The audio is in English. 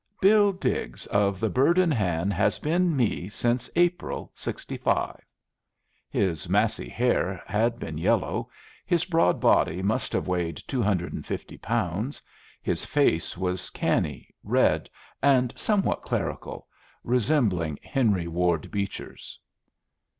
"Bill Diggs of the Bird in Hand has been me since April, '65." His massy hair had been yellow, his broad body must have weighed two hundred and fifty pounds, his face was canny, red, and somewhat clerical, resembling Henry Ward Beecher's.